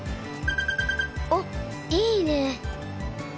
おっいいね。